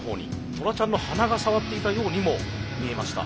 トラちゃんの鼻が触っていたようにも見えました。